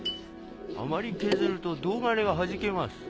あまり削ると銅金がはじけます。